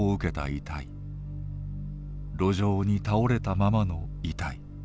路上に倒れたままの遺体。